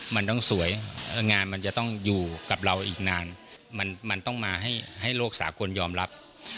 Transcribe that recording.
มันต้องมาให้โลกสาควรยอมรับ